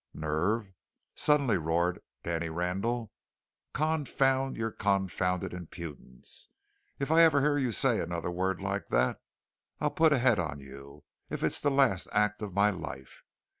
"Nerve!" suddenly roared Danny Randall; "confound your confounded impudence! If I ever hear you say another word like that, I'll put a head on you, if it's the last act of my life!